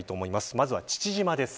まずは父島です。